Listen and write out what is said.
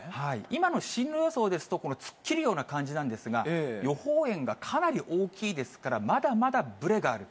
今の進路予想ですと、突っ切るような感じなんですが、予報円がかなり大きいですから、まだまだぶれがある。